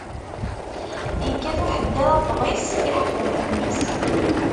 Ikkat uḥeddad afḍis, iḥfeḍ-it mmi-s.